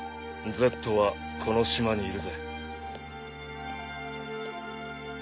Ｚはこの島にいる。